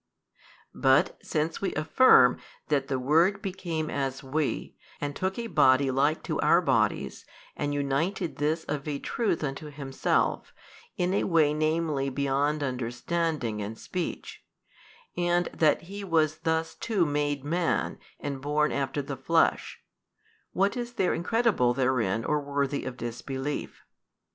But since we affirm that the Word became as we and |219 took a body like to our bodies and united this of a truth unto Himself, in a way namely beyond understanding and speech, and that He was thus too made Man and born after the flesh, what is there incredible therein or worthy of disbelief?